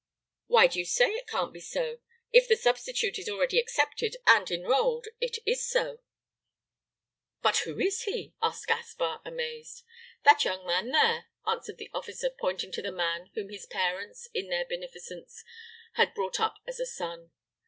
"Why do you say it can't be so? If the substitute is already accepted and enrolled it is so." "But who is he?" asked Gaspar, amazed. "That young man, there," answered the officer, pointing to the man whom his parents, in their beneficence, had brought up as a son.